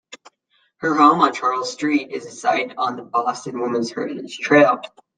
Her home on Charles Street is a site on the Boston Women's Heritage Trail.